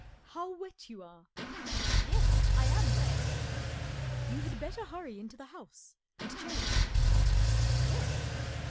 Ji How wet you are !"" Yes, I am wet.'* 11 You had better hurry into the house and change/' Yes."